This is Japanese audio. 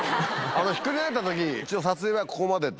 ひっくり返った時撮影はここまでって。